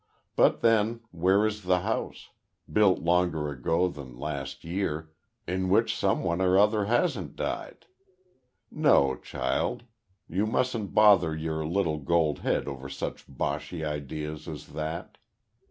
But then, where is the house built longer ago than last year in which some one or other hasn't died? No, child; you mustn't bother your little gold head over such boshy ideas as that.